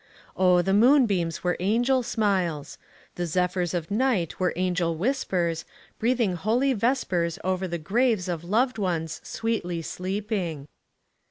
Oh, the moon beams were angel smiles! the zephyrs of night were angel whispers, breathing holy vespers over the graves of loved ones sweetly sleeping